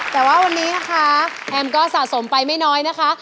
แต่ว่าวันนี้นะคะแอมก็สะสมไปไม่น้อยนะคะ